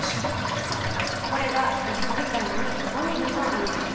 これが１時間に５ミリの雨です。